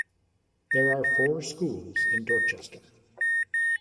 There are four schools in Dorchester.